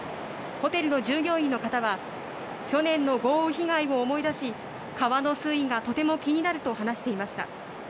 ホテルの従業員の方は去年の豪雨被害を思い出し川の水位がとても気になると話していました。